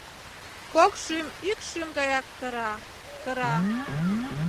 Кок шӱм ик шӱм гаяк кыра, кыра.